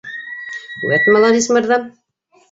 - Вәт маладис, мырҙам!